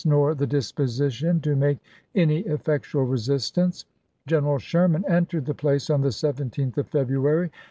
nor the disposition to make any effectual resistance. General Sherman entered the place on the 17th of 1865. February.